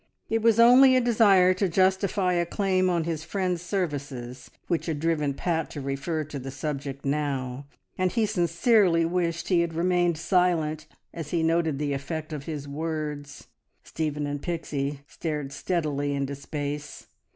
It was only a desire to justify a claim on his friend's services which had driven Pat to refer to the subject now, and he sincerely wished he had remained silent as he noted the effect of his words. Stephen and Pixie stared steadily into space.